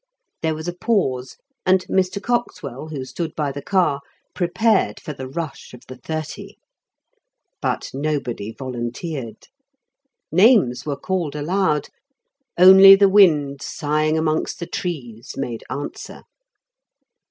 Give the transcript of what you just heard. There was a pause, and Mr. Coxwell, who stood by the car, prepared for the rush of the Thirty. But nobody volunteered. Names were called aloud; only the wind, sighing amongst the trees made answer.